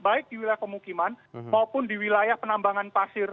baik di wilayah pemukiman maupun di wilayah penambangan pasir